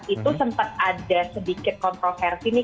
itu sempat ada sedikit kontroversi nih